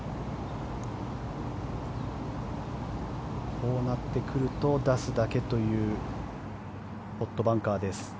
こうなってくると出すだけというポットバンカーです。